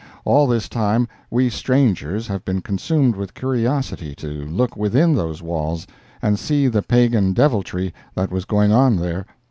All this time we strangers have been consumed with curiosity to look within those walls and see the pagan deviltry that was going on there.